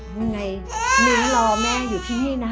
มึงไงมิ้งรอแม่อยู่ที่นี่นะ